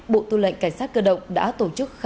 bộ tư lệnh cảnh sát cơ động đã tổ chức